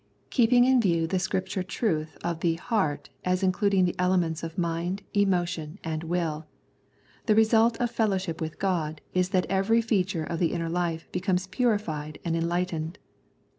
Keeping in view the Scripture truth of the 98 Wisdom and Revelation " heart " as including the elements of Mind, Emotion, and Will, the result of fellowship with God is that every feature of the inner life becomes purified and enlightened.